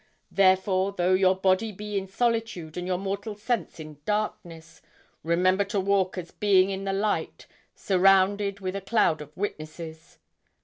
Therefore, though your body be in solitude and your mortal sense in darkness, remember to walk as being in the light, surrounded with a cloud of witnesses.